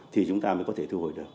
thì chúng ta mới có thể thu hồi được